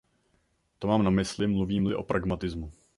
To mám na mysli, mluvím-li o pragmatismu.